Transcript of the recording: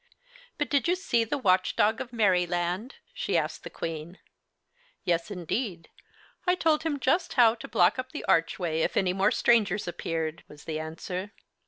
But did you see the Watch Dog of Merryland?" she asked the Queen. "Yes, indeed; and I told him just how to block up the archway if any more strangers appeared," was the answer.